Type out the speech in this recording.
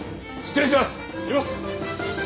失礼します！